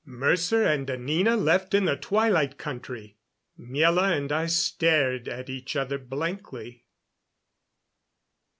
Mercer and Anina left in the Twilight Country! Miela and I stared at each other blankly.